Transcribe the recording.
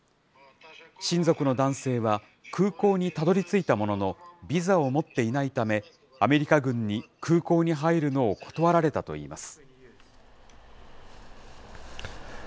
親族の男性は空港にたどりついたものの、ビザを持っていないため、アメリカ軍に空港に入るのを断られたといいます。